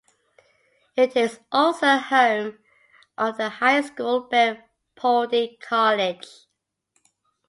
It is also home of the high school Bede Polding College.